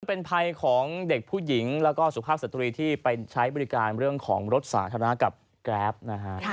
เป็นภัยของเด็กผู้หญิงแล้วก็สุภาพสตรีที่ไปใช้บริการเรื่องของรถสาธารณะกับแกรปนะฮะ